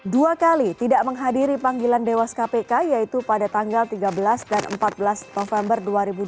dua kali tidak menghadiri panggilan dewas kpk yaitu pada tanggal tiga belas dan empat belas november dua ribu dua puluh